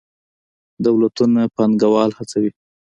دولتونه پانګوال هڅوي.